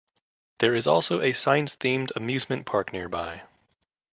There is also a science-themed amusement park nearby.